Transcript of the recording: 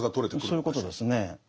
そういうことですね。